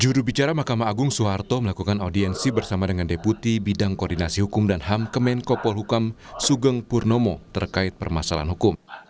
juru bicara mahkamah agung soeharto melakukan audiensi bersama dengan deputi bidang koordinasi hukum dan ham kemenkopol hukam sugeng purnomo terkait permasalahan hukum